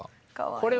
これは。